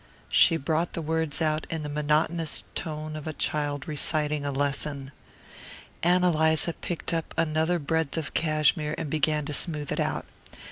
She brought the words out in the monotonous tone of a child reciting a lesson. Ann Eliza picked up another breadth of cashmere and began to smooth it out.